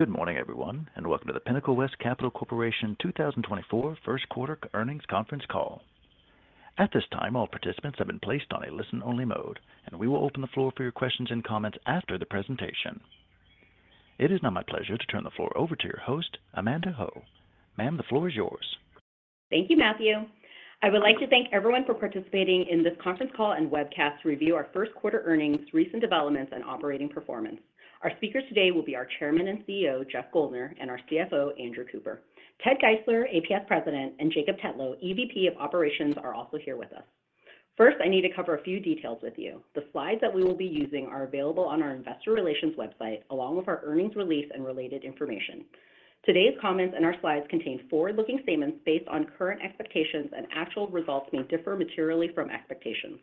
Good morning, everyone, and welcome to the Pinnacle West Capital Corporation 2024 first quarter earnings conference call. At this time, all participants have been placed on a listen-only mode, and we will open the floor for your questions and comments after the presentation. It is now my pleasure to turn the floor over to your host, Amanda Ho. Ma'am, the floor is yours. Thank you, Matthew. I would like to thank everyone for participating in this conference call and webcast to review our first quarter earnings, recent developments, and operating performance. Our speakers today will be our Chairman and CEO, Jeff Guldner, and our CFO, Andrew Cooper. Ted Geisler, APS President, and Jacob Tetlow, EVP of operations, are also here with us. First, I need to cover a few details with you. The slides that we will be using are available on our investor relations website, along with our earnings release and related information. Today's comments and our slides contain forward-looking statements based on current expectations, and actual results may differ materially from expectations.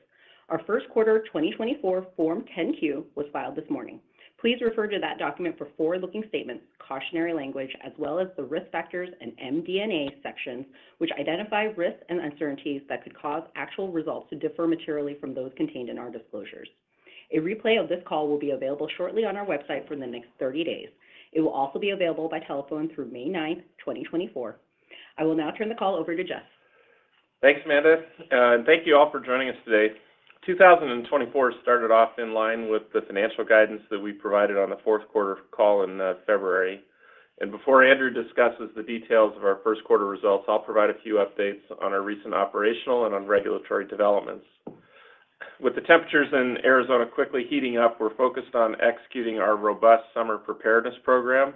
Our first quarter 2024 Form 10-Q was filed this morning. Please refer to that document for forward-looking statements, cautionary language, as well as the risk factors and MD&A sections, which identify risks and uncertainties that could cause actual results to differ materially from those contained in our disclosures. A replay of this call will be available shortly on our website for the next 30 days. It will also be available by telephone through May 9th, 2024. I will now turn the call over to Jeff. Thanks, Amanda. Thank you all for joining us today. 2024 started off in line with the financial guidance that we provided on the fourth quarter call in February. Before Andrew discusses the details of our first quarter results, I'll provide a few updates on our recent operational and on regulatory developments. With the temperatures in Arizona quickly heating up, we're focused on executing our robust summer preparedness program,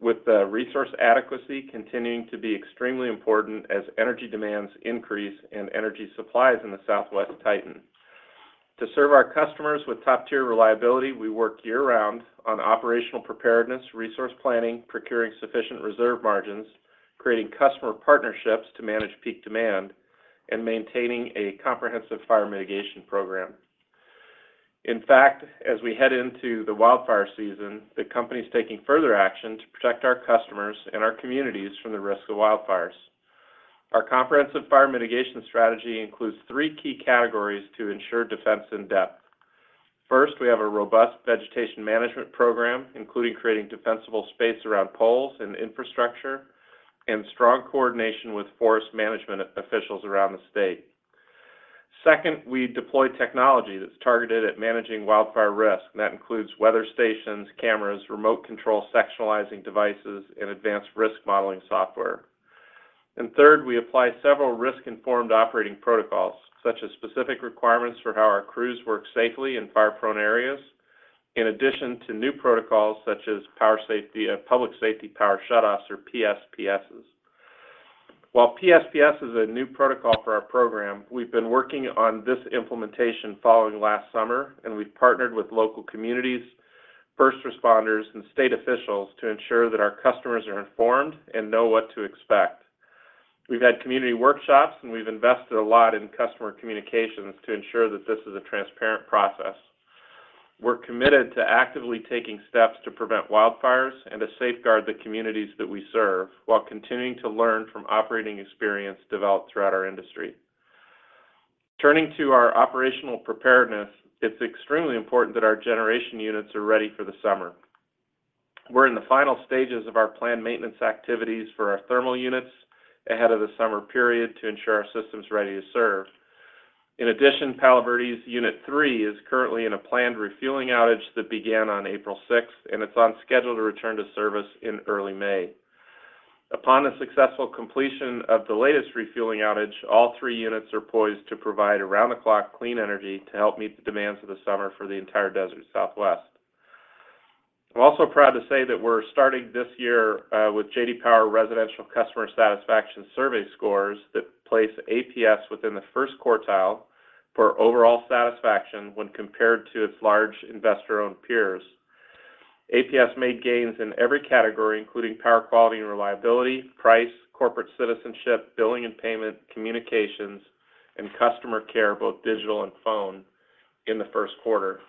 with resource adequacy continuing to be extremely important as energy demands increase and energy supplies in the Southwest tighten. To serve our customers with top-tier reliability, we work year-round on operational preparedness, resource planning, procuring sufficient reserve margins, creating customer partnerships to manage peak demand, and maintaining a comprehensive fire mitigation program. In fact, as we head into the wildfire season, the company is taking further action to protect our customers and our communities from the risk of wildfires. Our comprehensive fire mitigation strategy includes three key categories to ensure defense in depth. First, we have a robust vegetation management program, including creating defensible space around poles and infrastructure, and strong coordination with forest management officials around the state. Second, we deploy technology that's targeted at managing wildfire risk, and that includes weather stations, cameras, remote control sectionalizing devices, and advanced risk modeling software. Third, we apply several risk-informed operating protocols, such as specific requirements for how our crews work safely in fire-prone areas, in addition to new protocols such as Public Safety Power Shutoffs, or PSPSs. While PSPS is a new protocol for our program, we've been working on this implementation following last summer, and we've partnered with local communities, first responders, and state officials to ensure that our customers are informed and know what to expect. We've had community workshops, and we've invested a lot in customer communications to ensure that this is a transparent process. We're committed to actively taking steps to prevent wildfires and to safeguard the communities that we serve, while continuing to learn from operating experience developed throughout our industry. Turning to our operational preparedness, it's extremely important that our generation units are ready for the summer. We're in the final stages of our planned maintenance activities for our thermal units ahead of the summer period to ensure our system's ready to serve. In addition, Palo Verde's Unit 3 is currently in a planned refueling outage that began on April 6th, and it's on schedule to return to service in early May. Upon the successful completion of the latest refueling outage, all three units are poised to provide around-the-clock clean energy to help meet the demands of the summer for the entire Desert Southwest. I'm also proud to say that we're starting this year with J.D. Power residential customer satisfaction survey scores that place APS within the first quartile for overall satisfaction when compared to its large investor-owned peers. APS made gains in every category, including power quality and reliability, price, corporate citizenship, billing and payment, communications, and customer care, both digital and phone, in the first quarter.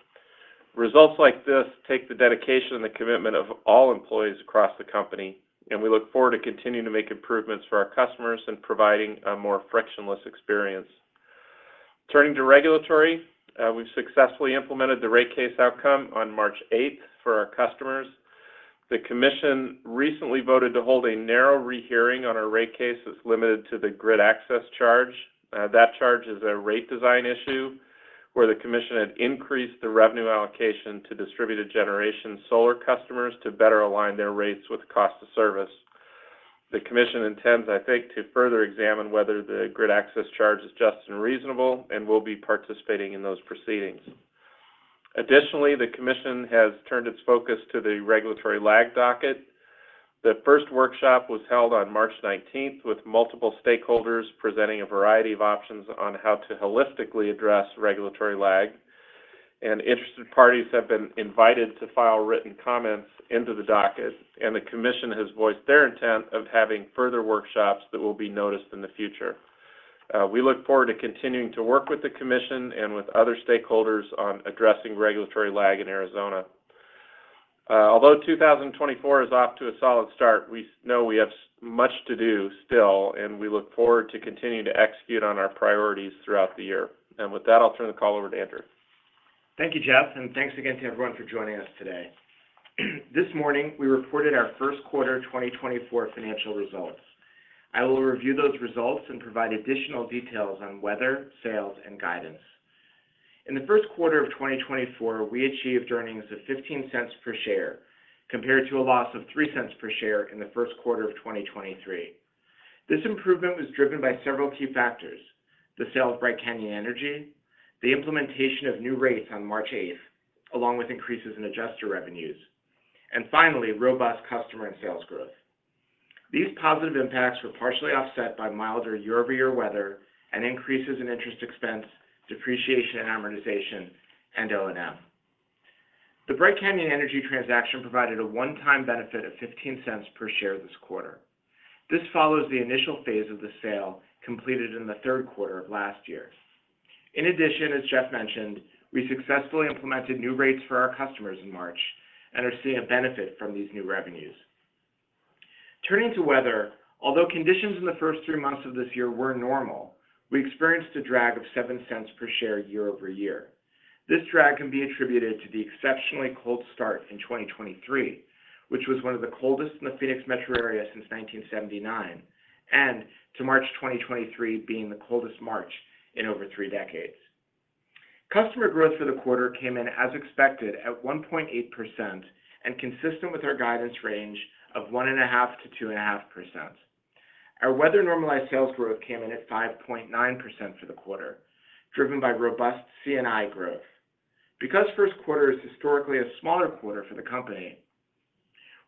Results like this take the dedication and the commitment of all employees across the company, and we look forward to continuing to make improvements for our customers and providing a more frictionless experience. Turning to regulatory, we've successfully implemented the rate case outcome on March 8th for our customers. The commission recently voted to hold a narrow rehearing on our rate case that's limited to the Grid Access Charge. That charge is a rate design issue where the commission had increased the revenue allocation to distributed generation solar customers to better align their rates with cost of service. The commission intends, I think, to further examine whether the Grid Access Charge is just and reasonable and will be participating in those proceedings. Additionally, the commission has turned its focus to the Regulatory Lag Docket. The first workshop was held on March 19th, with multiple stakeholders presenting a variety of options on how to holistically address regulatory lag. Interested parties have been invited to file written comments into the docket, and the commission has voiced their intent of having further workshops that will be noticed in the future. We look forward to continuing to work with the commission and with other stakeholders on addressing regulatory lag in Arizona. Although 2024 is off to a solid start, we know we have much to do still, and we look forward to continuing to execute on our priorities throughout the year. With that, I'll turn the call over to Andrew. Thank you, Jeff, and thanks again to everyone for joining us today. This morning, we reported our first quarter 2024 financial results. I will review those results and provide additional details on weather, sales, and guidance. In the first quarter of 2024, we achieved earnings of $0.15 per share compared to a loss of $0.03 per share in the first quarter of 2023. This improvement was driven by several key factors: the sale of Bright Canyon Energy, the implementation of new rates on March 8th, along with increases in adjuster revenues, and finally, robust customer and sales growth. These positive impacts were partially offset by milder year-over-year weather and increases in interest expense, depreciation and amortization, and O&M. The Bright Canyon Energy transaction provided a one-time benefit of $0.15 per share this quarter. This follows the initial phase of the sale completed in the third quarter of last year. In addition, as Jeff mentioned, we successfully implemented new rates for our customers in March and are seeing a benefit from these new revenues. Turning to weather, although conditions in the first three months of this year were normal, we experienced a drag of $0.07 per share year-over-year. This drag can be attributed to the exceptionally cold start in 2023, which was one of the coldest in the Phoenix metro area since 1979, and to March 2023 being the coldest March in over three decades. Customer growth for the quarter came in as expected at 1.8% and consistent with our guidance range of 1.5%-2.5%. Our weather normalized sales growth came in at 5.9% for the quarter, driven by robust C&I growth. Because first quarter is historically a smaller quarter for the company,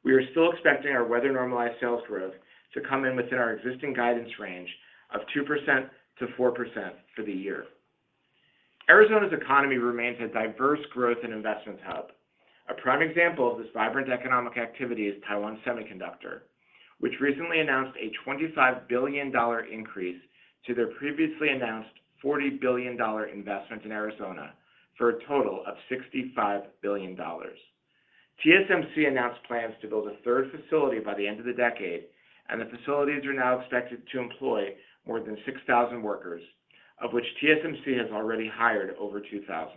we are still expecting our weather normalized sales growth to come in within our existing guidance range of 2%-4% for the year. Arizona's economy remains a diverse growth and investment hub. A prime example of this vibrant economic activity is Taiwan Semiconductor, which recently announced a $25 billion increase to their previously announced $40 billion investment in Arizona for a total of $65 billion. TSMC announced plans to build a third facility by the end of the decade, and the facilities are now expected to employ more than 6,000 workers, of which TSMC has already hired over 2,000.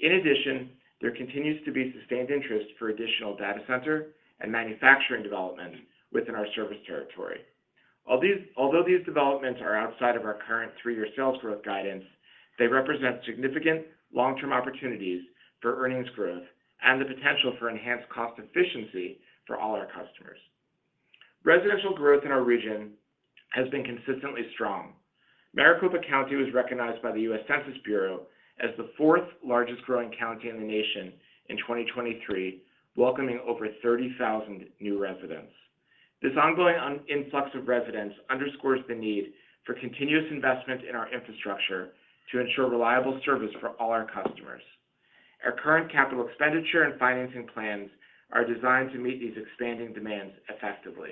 In addition, there continues to be sustained interest for additional data center and manufacturing development within our service territory. Although these developments are outside of our current three-year sales growth guidance, they represent significant long-term opportunities for earnings growth and the potential for enhanced cost efficiency for all our customers. Residential growth in our region has been consistently strong. Maricopa County was recognized by the U.S. Census Bureau as the fourth largest growing county in the nation in 2023, welcoming over 30,000 new residents. This ongoing influx of residents underscores the need for continuous investment in our infrastructure to ensure reliable service for all our customers. Our current capital expenditure and financing plans are designed to meet these expanding demands effectively.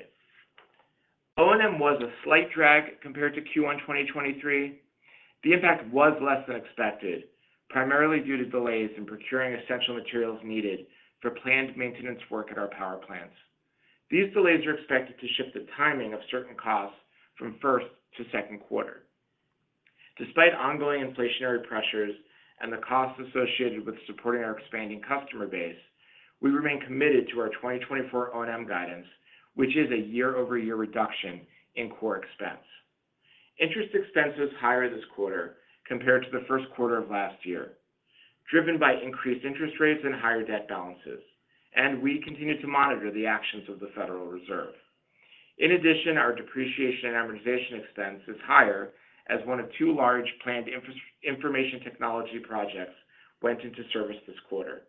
O&M was a slight drag compared to Q1 2023. The impact was less than expected, primarily due to delays in procuring essential materials needed for planned maintenance work at our power plants. These delays are expected to shift the timing of certain costs from first to second quarter. Despite ongoing inflationary pressures and the costs associated with supporting our expanding customer base, we remain committed to our 2024 O&M guidance, which is a year-over-year reduction in core expense. Interest expenses are higher this quarter compared to the first quarter of last year, driven by increased interest rates and higher debt balances, and we continue to monitor the actions of the Federal Reserve. In addition, our depreciation and amortization expense is higher as one of two large planned information technology projects went into service this quarter.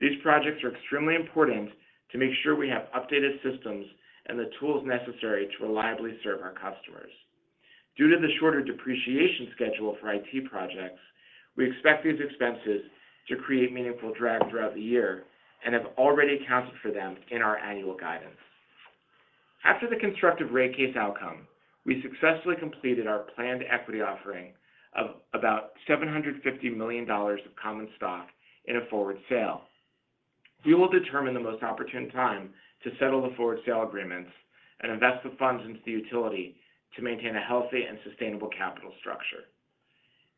These projects are extremely important to make sure we have updated systems and the tools necessary to reliably serve our customers. Due to the shorter depreciation schedule for IT projects, we expect these expenses to create meaningful drag throughout the year and have already accounted for them in our annual guidance. After the constructive rate case outcome, we successfully completed our planned equity offering of about $750 million of common stock in a forward sale. We will determine the most opportune time to settle the forward sale agreements and invest the funds into the utility to maintain a healthy and sustainable capital structure.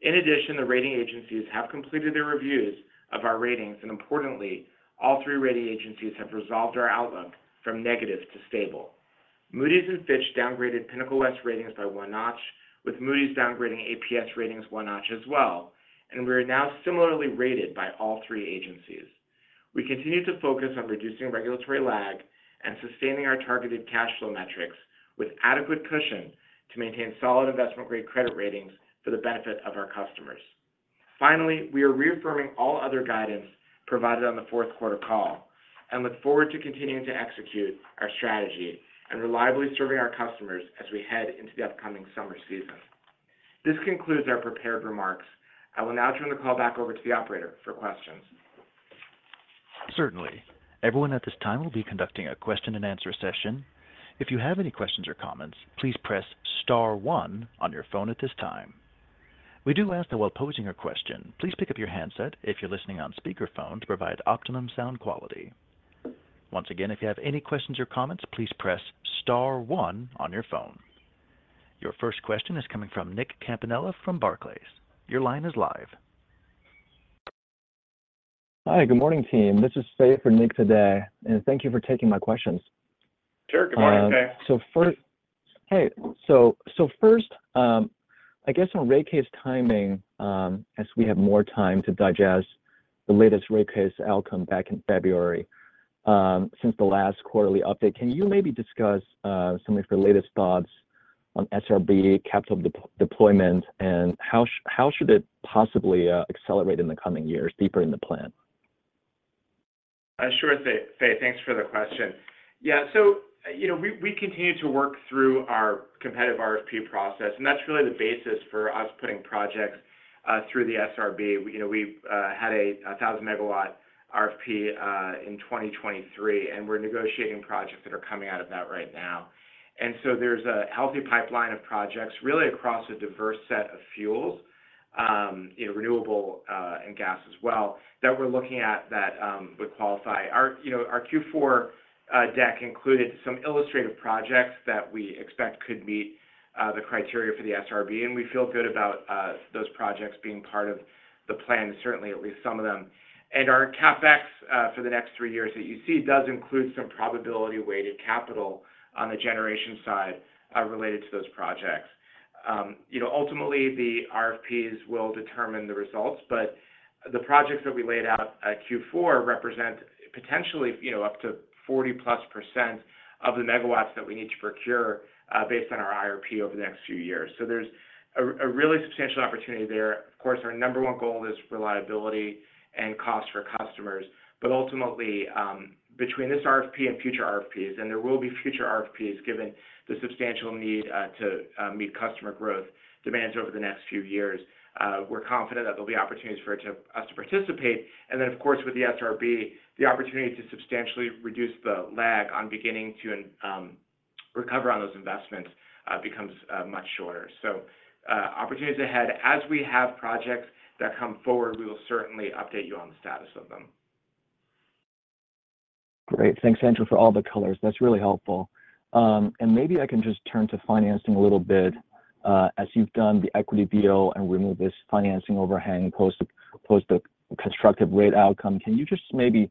In addition, the rating agencies have completed their reviews of our ratings, and importantly, all three rating agencies have resolved our outlook from negative to stable. Moody's and Fitch downgraded Pinnacle West ratings by one notch, with Moody's downgrading APS ratings one notch as well, and we are now similarly rated by all three agencies. We continue to focus on reducing regulatory lag and sustaining our targeted cash flow metrics with adequate cushion to maintain solid investment-grade credit ratings for the benefit of our customers. Finally, we are reaffirming all other guidance provided on the fourth quarter call and look forward to continuing to execute our strategy and reliably serving our customers as we head into the upcoming summer season. This concludes our prepared remarks. I will now turn the call back over to the operator for questions. Certainly. Everyone at this time will be conducting a question-and-answer session. If you have any questions or comments, please press star one on your phone at this time. We do ask that while posing a question, please pick up your handset if you're listening on speakerphone to provide optimum sound quality. Once again, if you have any questions or comments, please press star one on your phone. Your first question is coming from Nick Campanella from Barclays. Your line is live. Hi, good morning, team. This is Fay for Nick today, and thank you for taking my questions. Sure, good morning, Fay. So first, I guess on rate case timing, as we have more time to digest the latest rate case outcome back in February since the last quarterly update, can you maybe discuss some of your latest thoughts on SRB, capital deployment, and how should it possibly accelerate in the coming years deeper in the plan? Sure, Fay. Thanks for the question. Yeah, so we continue to work through our competitive RFP process, and that's really the basis for us putting projects through the SRB. We had a 1,000 MW RFP in 2023, and we're negotiating projects that are coming out of that right now. And so there's a healthy pipeline of projects really across a diverse set of fuels, renewable and gas as well, that we're looking at that would qualify. Our Q4 deck included some illustrative projects that we expect could meet the criteria for the SRB, and we feel good about those projects being part of the plan, certainly at least some of them. And our CapEx for the next three years that you see does include some probability-weighted capital on the generation side related to those projects. Ultimately, the RFPs will determine the results, but the projects that we laid out at Q4 represent potentially up to 40%+ of the megawatts that we need to procure based on our IRP over the next few years. So there's a really substantial opportunity there. Of course, our number one goal is reliability and cost for customers. But ultimately, between this RFP and future RFPs - and there will be future RFPs given the substantial need to meet customer growth demands over the next few years - we're confident that there'll be opportunities for us to participate. And then, of course, with the SRB, the opportunity to substantially reduce the lag on beginning to recover on those investments becomes much shorter. So opportunities ahead. As we have projects that come forward, we will certainly update you on the status of them. Great. Thanks, Andrew, for all the colors. That's really helpful. Maybe I can just turn to financing a little bit. As you've done the equity deal and removed this financing overhang post the constructive rate outcome, can you just maybe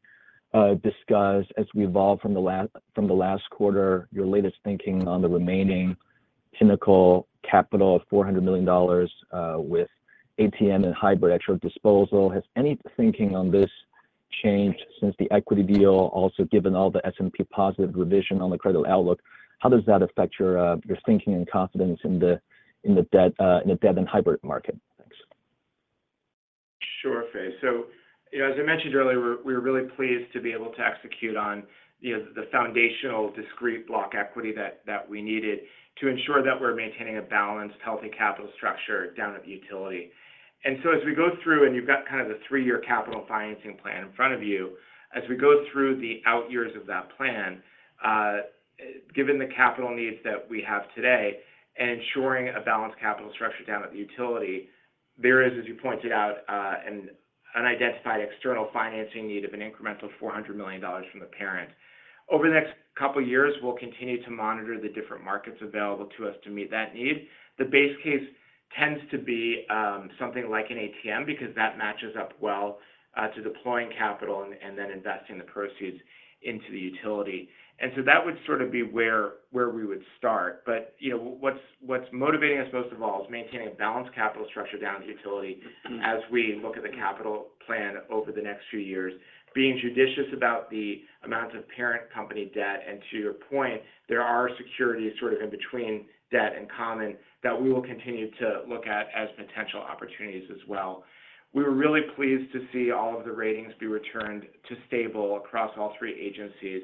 discuss, as we evolve from the last quarter, your latest thinking on the remaining Pinnacle capital of $400 million with ATM and hybrid at your disposal? Has any thinking on this changed since the equity deal, also given all the S&P positive revision on the credit outlook? How does that affect your thinking and confidence in the debt and hybrid market? Thanks. Sure, Fay. So as I mentioned earlier, we were really pleased to be able to execute on the foundational discrete block equity that we needed to ensure that we're maintaining a balanced, healthy capital structure down at the utility. And so as we go through (and you've got kind of the three-year capital financing plan in front of you as we go through the out years of that plan, given the capital needs that we have today and ensuring a balanced capital structure down at the utility, there is, as you pointed out, an unidentified external financing need of an incremental $400 million from the parent. Over the next couple of years, we'll continue to monitor the different markets available to us to meet that need. The base case tends to be something like an ATM because that matches up well to deploying capital and then investing the proceeds into the utility. And so that would sort of be where we would start. But what's motivating us most of all is maintaining a balanced capital structure down at the utility as we look at the capital plan over the next few years, being judicious about the amounts of parent company debt. And to your point, there are securities sort of in between debt and common that we will continue to look at as potential opportunities as well. We were really pleased to see all of the ratings be returned to stable across all three agencies.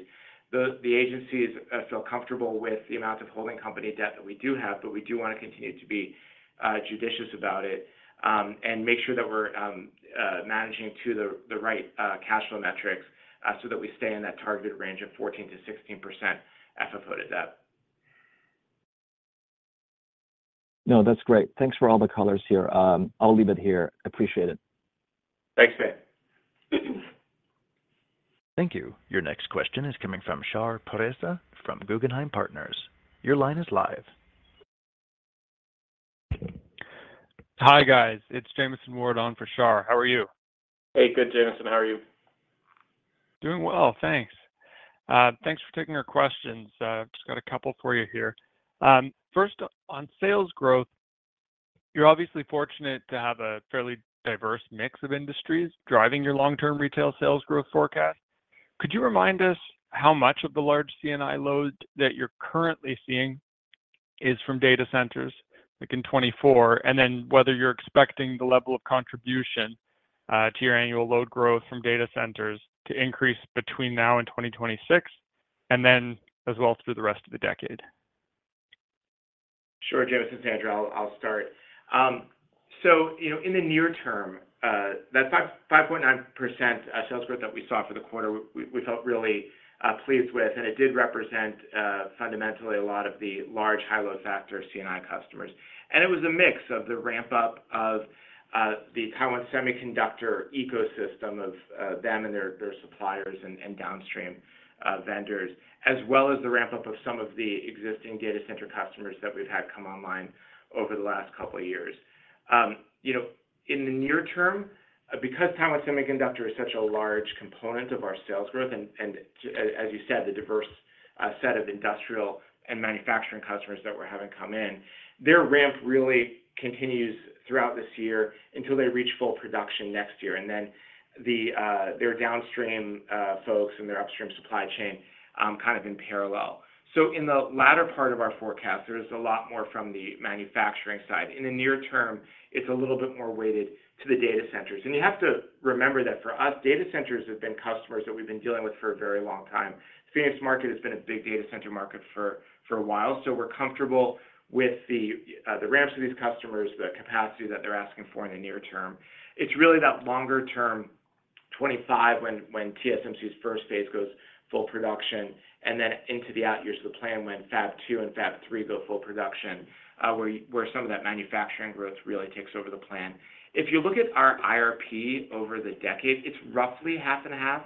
The agencies feel comfortable with the amounts of holding company debt that we do have, but we do want to continue to be judicious about it and make sure that we're managing to the right cash flow metrics so that we stay in that targeted range of 14%-16% FFO to Debt. No, that's great. Thanks for all the colors here. I'll leave it here. Appreciate it. Thanks, Fay. Thank you. Your next question is coming from Shar Pourreza from Guggenheim Partners. Your line is live. Hi, guys. It's James Ward on for Shar. How are you? Hey, good, James. How are you? Doing well, thanks. Thanks for taking our questions. I've just got a couple for you here. First, on sales growth, you're obviously fortunate to have a fairly diverse mix of industries driving your long-term retail sales growth forecast. Could you remind us how much of the large C&I load that you're currently seeing is from data centers in 2024, and then whether you're expecting the level of contribution to your annual load growth from data centers to increase between now and 2026 and then as well through the rest of the decade? Sure, James. It's Andrew. I'll start. So in the near term, that 5.9% sales growth that we saw for the quarter, we felt really pleased with, and it did represent fundamentally a lot of the large high-load factor C&I customers. And it was a mix of the ramp-up of the Taiwan Semiconductor ecosystem of them and their suppliers and downstream vendors, as well as the ramp-up of some of the existing data center customers that we've had come online over the last couple of years. In the near term, because Taiwan Semiconductor is such a large component of our sales growth and, as you said, the diverse set of industrial and manufacturing customers that we're having come in, their ramp really continues throughout this year until they reach full production next year. And then their downstream folks and their upstream supply chain kind of in parallel. So in the latter part of our forecast, there is a lot more from the manufacturing side. In the near term, it's a little bit more weighted to the data centers. And you have to remember that for us, data centers have been customers that we've been dealing with for a very long time. The Phoenix market has been a big data center market for a while, so we're comfortable with the ramps of these customers, the capacity that they're asking for in the near term. It's really that longer-term 2025 when TSMC's first phase goes full production and then into the out years of the plan when Fab 2 and Fab 3 go full production, where some of that manufacturing growth really takes over the plan. If you look at our IRP over the decade, it's roughly 50/50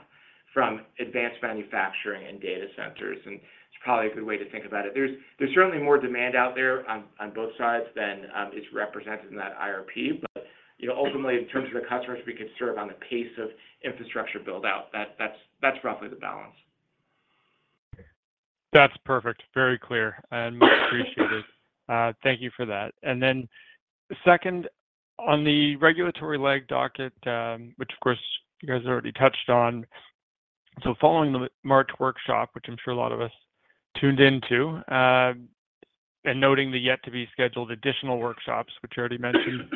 from advanced manufacturing and data centers. It's probably a good way to think about it. There's certainly more demand out there on both sides than is represented in that IRP, but ultimately, in terms of the customers we could serve on the pace of infrastructure buildout, that's roughly the balance. That's perfect. Very clear and much appreciated. Thank you for that. And then second, on the regulatory docket, which, of course, you guys already touched on, so following the March workshop, which I'm sure a lot of us tuned into, and noting the yet-to-be-scheduled additional workshops, which you already mentioned,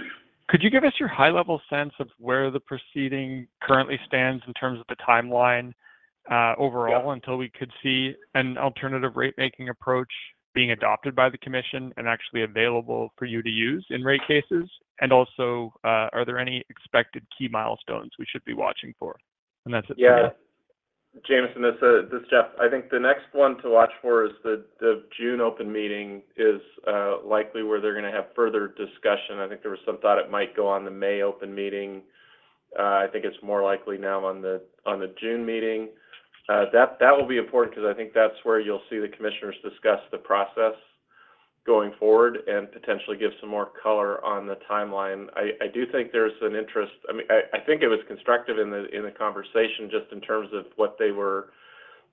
could you give us your high-level sense of where the proceeding currently stands in terms of the timeline overall until we could see an alternative rate-making approach being adopted by the commission and actually available for you to use in rate cases? And also, are there any expected key milestones we should be watching for? And that's it for me. Yeah, James, this is Jeff. I think the next one to watch for is the June open meeting, is likely where they're going to have further discussion. I think there was some thought it might go on the May open meeting. I think it's more likely now on the June meeting. That will be important because I think that's where you'll see the commissioners discuss the process going forward and potentially give some more color on the timeline. I do think there's an interest. I mean, I think it was constructive in the conversation just in terms of what they were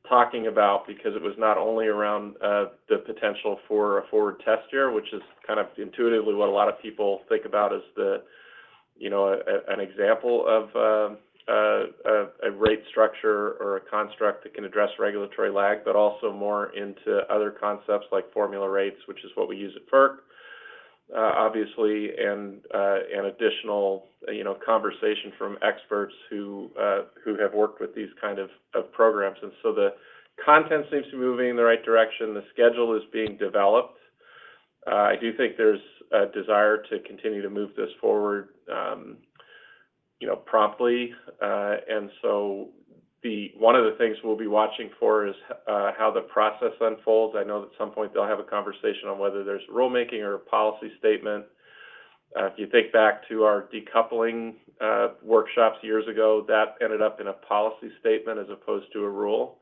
talking about because it was not only around the potential for a forward test year, which is kind of intuitively what a lot of people think about as an example of a rate structure or a construct that can address regulatory lag, but also more into other concepts like formula rates, which is what we use at FERC, obviously, and additional conversation from experts who have worked with these kinds of programs. And so the content seems to be moving in the right direction. The schedule is being developed. I do think there's a desire to continue to move this forward promptly. And so one of the things we'll be watching for is how the process unfolds. I know that at some point, they'll have a conversation on whether there's rulemaking or a policy statement. If you think back to our decoupling workshops years ago, that ended up in a policy statement as opposed to a rule.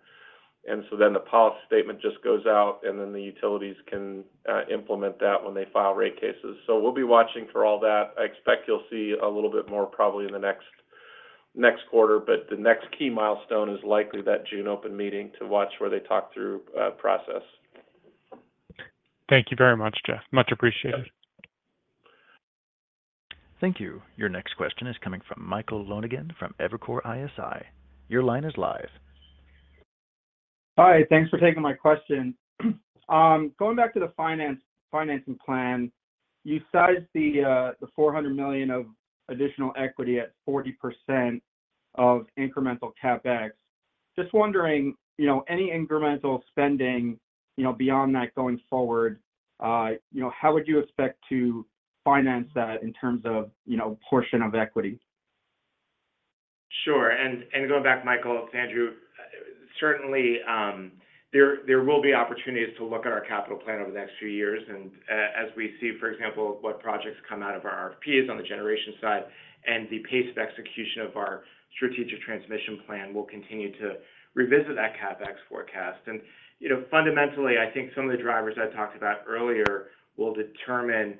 And so then the policy statement just goes out, and then the utilities can implement that when they file rate cases. So we'll be watching for all that. I expect you'll see a little bit more probably in the next quarter, but the next key milestone is likely that June open meeting to watch where they talk through the process. Thank you very much, Jeff. Much appreciated. Thank you. Your next question is coming from Michael Lonegan from Evercore ISI. Your line is live. Hi. Thanks for taking my question. Going back to the financing plan, you sized the $400 million of additional equity at 40% of incremental CapEx. Just wondering, any incremental spending beyond that going forward, how would you expect to finance that in terms of portion of equity? Sure. And going back, Michael, it's Andrew. Certainly, there will be opportunities to look at our capital plan over the next few years. And as we see, for example, what projects come out of our RFPs on the generation side and the pace of execution of our strategic transmission plan, we'll continue to revisit that CapEx forecast. And fundamentally, I think some of the drivers I talked about earlier will determine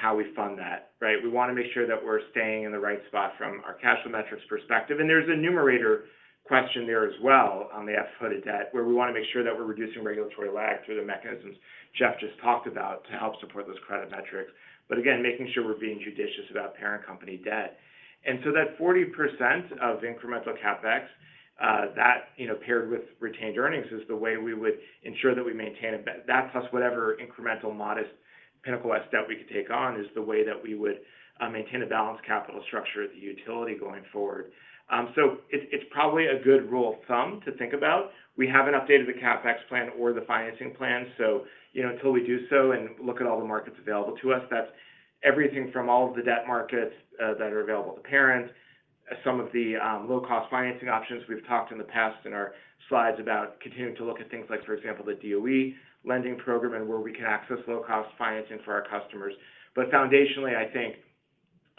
how we fund that, right? We want to make sure that we're staying in the right spot from our cash flow metrics perspective. And there's a numerator question there as well on the FFO to Debt where we want to make sure that we're reducing regulatory lag through the mechanisms Jeff just talked about to help support those credit metrics, but again, making sure we're being judicious about parent company debt. And so that 40% of incremental CapEx, that paired with retained earnings is the way we would ensure that we maintain that plus whatever incremental modest Pinnacle West debt we could take on is the way that we would maintain a balanced capital structure at the utility going forward. So it's probably a good rule of thumb to think about. We haven't updated the CapEx plan or the financing plan. So until we do so and look at all the markets available to us, that's everything from all of the debt markets that are available to parents, some of the low-cost financing options we've talked in the past in our slides about continuing to look at things like, for example, the DOE lending program and where we can access low-cost financing for our customers. Foundationally, I think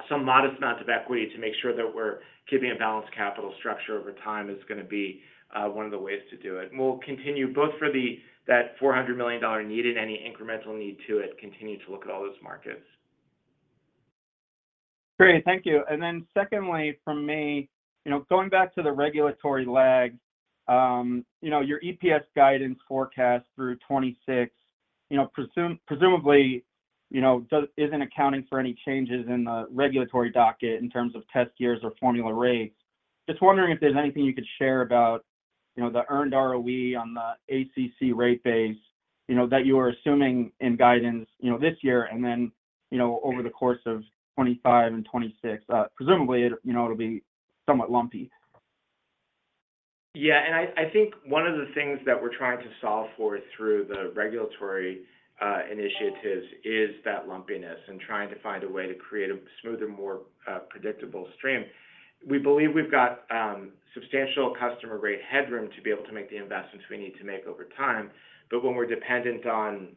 some modest amount of equity to make sure that we're keeping a balanced capital structure over time is going to be one of the ways to do it. We'll continue both for that $400 million need and any incremental need to it, continue to look at all those markets. Great. Thank you. And then secondly from me, going back to the regulatory lag, your EPS guidance forecast through 2026 presumably isn't accounting for any changes in the regulatory docket in terms of test years or formula rates. Just wondering if there's anything you could share about the earned ROE on the ACC rate base that you are assuming in guidance this year and then over the course of 2025 and 2026. Presumably, it'll be somewhat lumpy. Yeah. And I think one of the things that we're trying to solve for through the regulatory initiatives is that lumpiness and trying to find a way to create a smoother, more predictable stream. We believe we've got substantial customer rate headroom to be able to make the investments we need to make over time. But when we're dependent on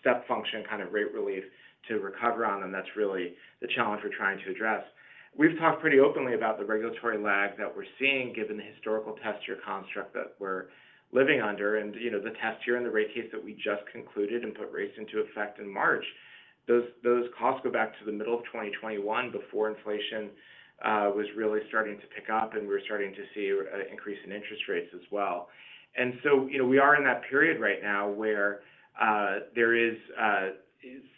step function kind of rate relief to recover on them, that's really the challenge we're trying to address. We've talked pretty openly about the regulatory lag that we're seeing given the historical test year construct that we're living under and the test year and the rate case that we just concluded and put rates into effect in March. Those costs go back to the middle of 2021 before inflation was really starting to pick up, and we were starting to see an increase in interest rates as well. We are in that period right now where there is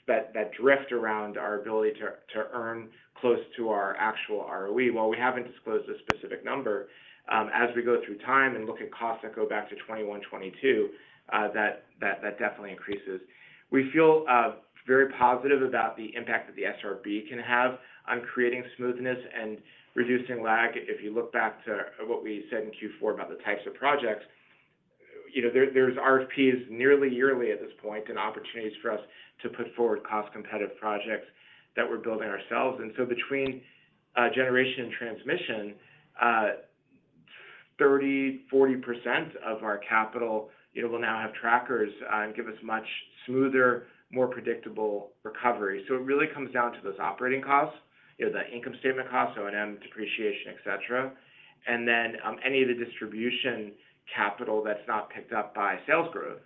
that drift around our ability to earn close to our actual ROE. While we haven't disclosed a specific number, as we go through time and look at costs that go back to 2021, 2022, that definitely increases. We feel very positive about the impact that the SRB can have on creating smoothness and reducing lag. If you look back to what we said in Q4 about the types of projects, there's RFPs nearly yearly at this point and opportunities for us to put forward cost-competitive projects that we're building ourselves. Between generation and transmission, 30%-40% of our capital will now have trackers and give us much smoother, more predictable recovery. It really comes down to those operating costs, the income statement costs, O&M depreciation, etc., and then any of the distribution capital that's not picked up by sales growth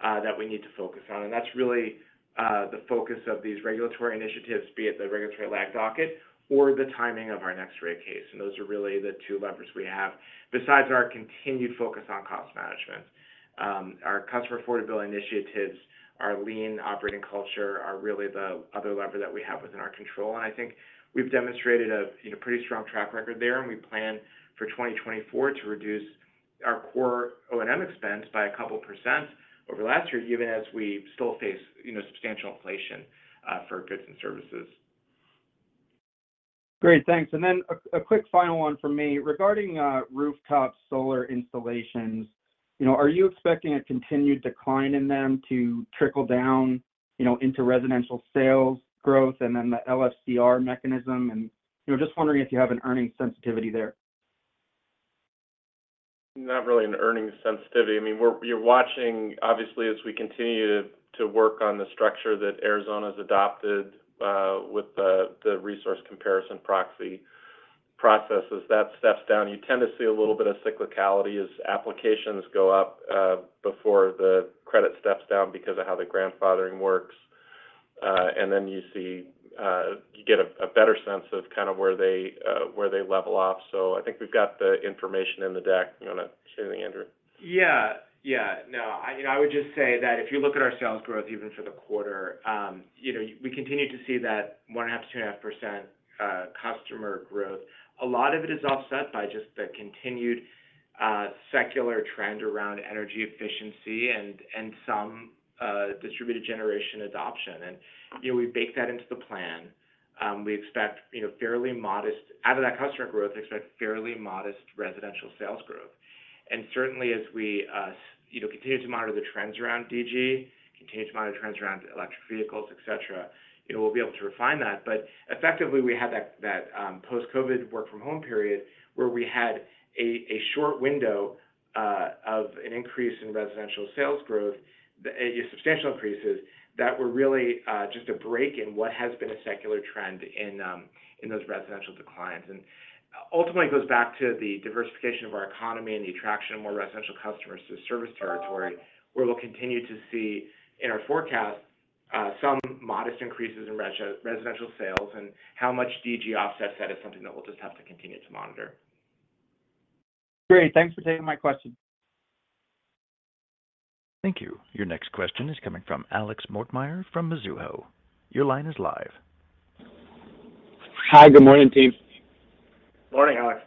that we need to focus on. That's really the focus of these regulatory initiatives, be it the Regulatory Lag Docket or the timing of our next rate case. Those are really the two levers we have besides our continued focus on cost management. Our customer affordability initiatives, our lean operating culture are really the other lever that we have within our control. I think we've demonstrated a pretty strong track record there, and we plan for 2024 to reduce our core O&M expense by a couple of percent over last year, even as we still face substantial inflation for goods and services. Great. Thanks. Then a quick final one from me regarding rooftop solar installations. Are you expecting a continued decline in them to trickle down into residential sales growth and then the LFCR mechanism? Just wondering if you have an earnings sensitivity there. Not really an earnings sensitivity. I mean, you're watching, obviously, as we continue to work on the structure that Arizona has adopted with the Resource Comparison Proxy processes, that steps down. You tend to see a little bit of cyclicality as applications go up before the credit steps down because of how the grandfathering works. And then you get a better sense of kind of where they level off. So I think we've got the information in the deck. You want to say anything, Andrew? Yeah. Yeah. No, I would just say that if you look at our sales growth, even for the quarter, we continue to see that 1.5%-2.5% customer growth. A lot of it is offset by just the continued secular trend around energy efficiency and some distributed generation adoption. And we bake that into the plan. We expect fairly modest out of that customer growth. Expect fairly modest residential sales growth. Certainly, as we continue to monitor the trends around DG, continue to monitor trends around electric vehicles, etc., we'll be able to refine that. Effectively, we had that post-COVID work-from-home period where we had a short window of an increase in residential sales growth, substantial increases, that were really just a break in what has been a secular trend in those residential declines. Ultimately, it goes back to the diversification of our economy and the attraction of more residential customers to service territory where we'll continue to see in our forecast some modest increases in residential sales. How much DG offsets that is something that we'll just have to continue to monitor. Great. Thanks for taking my question. Thank you. Your next question is coming from Alex Mortimer from Mizuho. Your line is live. Hi. Good morning, team. Morning, Alex.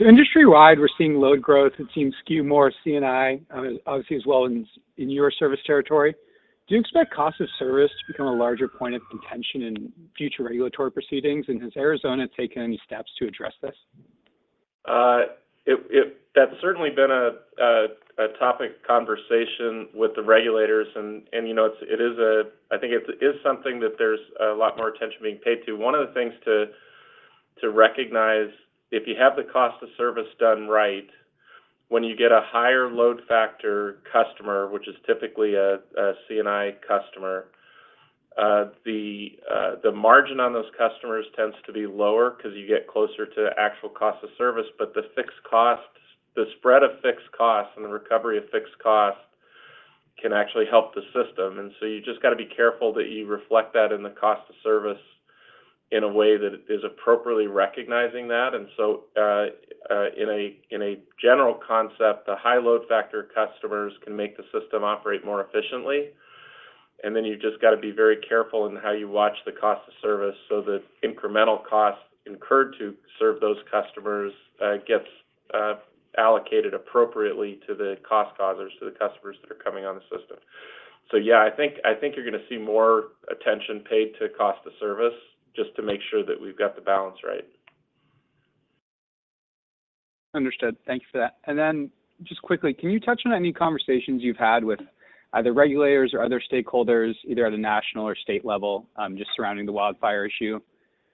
Industry-wide, we're seeing load growth. It seems skewed more, C&I, obviously, as well in your service territory. Do you expect cost of service to become a larger point of contention in future regulatory proceedings? And has Arizona taken any steps to address this? That's certainly been a topic of conversation with the regulators. And it is, I think, it is something that there's a lot more attention being paid to. One of the things to recognize, if you have the cost of service done right, when you get a higher load factor customer, which is typically a C&I customer, the margin on those customers tends to be lower because you get closer to actual cost of service. But the spread of fixed costs and the recovery of fixed costs can actually help the system. And so you just got to be careful that you reflect that in the cost of service in a way that is appropriately recognizing that. And so in a general concept, the high load factor customers can make the system operate more efficiently. And then you've just got to be very careful in how you watch the cost of service so that incremental costs incurred to serve those customers gets allocated appropriately to the cost causers, to the customers that are coming on the system. So yeah, I think you're going to see more attention paid to cost of service just to make sure that we've got the balance rightr Understood. Thank you for that. And then just quickly, can you touch on any conversations you've had with either regulators or other stakeholders, either at a national or state level, just surrounding the wildfire issue?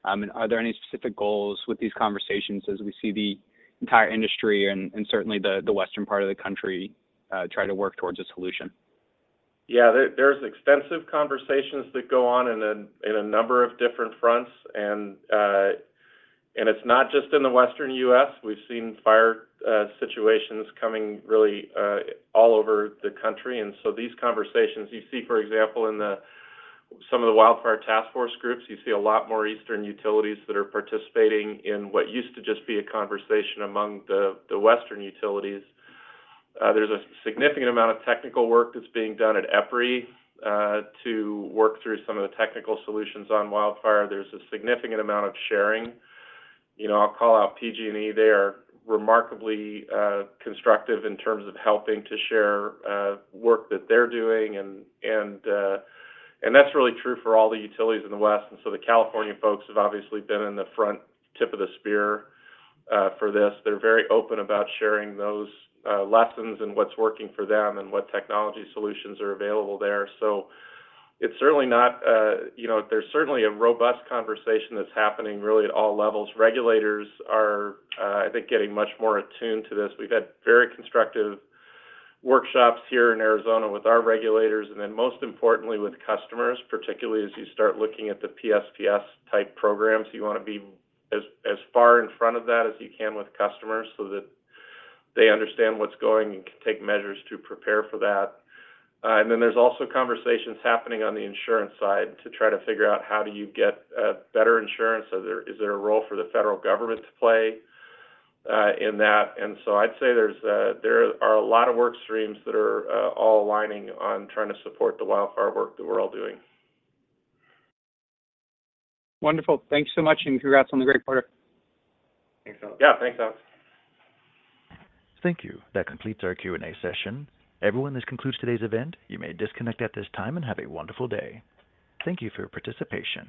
And are there any specific goals with these conversations as we see the entire industry and certainly the western part of the country try to work towards a solution? Yeah. There's extensive conversations that go on in a number of different fronts. It's not just in the Western U.S. We've seen fire situations coming really all over the country. These conversations, you see, for example, in some of the wildfire task force groups, you see a lot more eastern utilities that are participating in what used to just be a conversation among the western utilities. There's a significant amount of technical work that's being done at EPRI to work through some of the technical solutions on wildfire. There's a significant amount of sharing. I'll call out PG&E. They are remarkably constructive in terms of helping to share work that they're doing. That's really true for all the utilities in the West. The California folks have obviously been in the front tip of the spear for this. They're very open about sharing those lessons and what's working for them and what technology solutions are available there. So it's certainly not. There's certainly a robust conversation that's happening really at all levels. Regulators are, I think, getting much more attuned to this. We've had very constructive workshops here in Arizona with our regulators and then, most importantly, with customers, particularly as you start looking at the PSPS-type programs. You want to be as far in front of that as you can with customers so that they understand what's going on and can take measures to prepare for that. And then there's also conversations happening on the insurance side to try to figure out how do you get better insurance? Is there a role for the federal government to play in that? I'd say there are a lot of work streams that are all aligning on trying to support the wildfire work that we're all doing. Wonderful. Thanks so much, and congrats on the great quarter Thanks, Alex. Yeah. Thanks, Alex. Thank you. That completes our Q&A session. Everyone, this concludes today's event. You may disconnect at this time and have a wonderful day. Thank you for your participation.